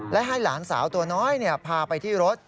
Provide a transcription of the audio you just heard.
และให้หลานสาวตัวน้อยพาไปที่รถ